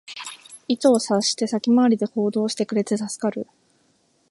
意図を察して先回りで行動してくれて助かる